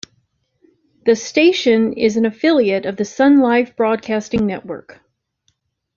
The station is an affiliate of the Sonlife Broadcasting Network.